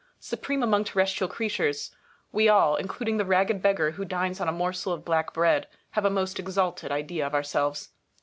Supreme among terrestrial creatures, we all, including the ragged beggar who dines on a morsel of black bread, have a most exalted idea of ourselves.